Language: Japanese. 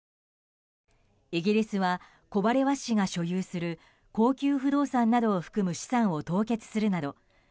イギリスはコバレワ氏が所有する高級不動産などを含む資産を凍結するなど